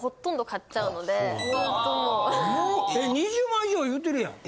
２０万以上いうてるやん。